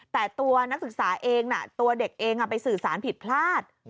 แต่ตัวนักศึกษาเองตัวเด็กเองไปสื่อสารผิดพลาด